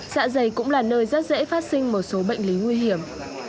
dạ dày cũng là nơi rất dễ phát sinh một số bệnh lý nguy hiểm